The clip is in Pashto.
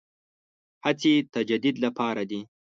هڅې تجدید لپاره دي.